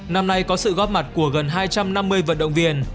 năm nay có sự góp mặt của gần hai trăm năm mươi vận động viên